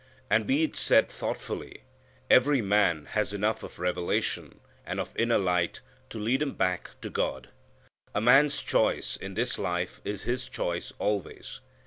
And be it said thoughtfully, every man has enough of revelation and of inner light to lead him back to God. A man's choice in this life is his choice always.